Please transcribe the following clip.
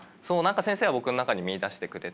先生は僕の中に見いだしてくれて。